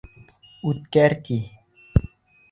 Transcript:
Үткәр, ти.